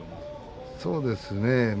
そうですね。